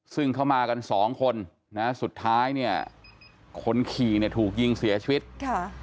ซึ่งเขามากันสองคนนะฮะสุดท้ายเนี่ยคนขี่เนี่ยถูกยิงเสียชีวิตค่ะ